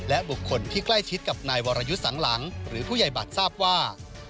และบุคคลที่ใกล้ชิดกับนายวรยุทธ์สังหลังหรือผู้ใหญ่บัตรทราบว่า